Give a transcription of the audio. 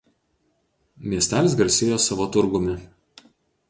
Miestelis garsėjo savo turgumi.